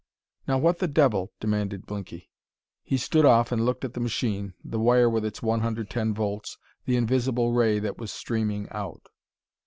"Now what the devil " demanded Blinky. He stood off and looked at the machine, the wire with its 110 volts, the invisible ray that was streaming out.